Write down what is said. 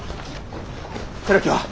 寺木は？